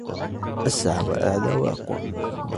أسرع ، وأعلى ، وأقوى.